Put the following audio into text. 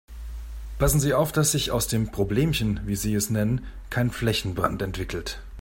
Passen Sie auf, dass sich aus dem Problemchen, wie Sie es nennen, kein Flächenbrand entwickelt.